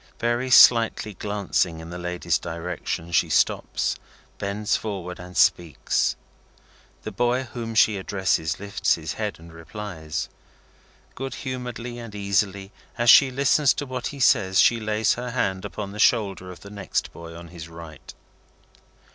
Very slightly glancing in the lady's direction, she stops, bends forward, and speaks. The boy whom she addresses, lifts his head and replies. Good humouredly and easily, as she listens to what he says, she lays her hand upon the shoulder of the next boy on his right.